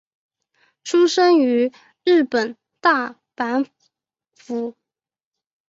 出身于日本大阪府。